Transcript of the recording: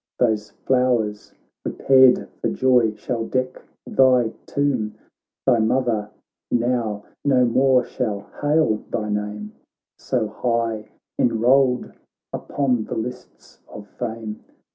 Those flowers, prepared for joy, shall deck thy tomb ; Thy mother now no more shall hail thy name, So high enrolled upon the lists of fame.